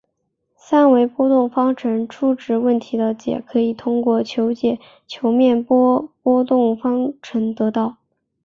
三维波动方程初值问题的解可以通过求解球面波波动方程得到。